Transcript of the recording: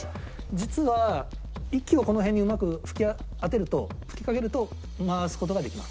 実は息をこの辺にうまく吹きかけると回す事ができます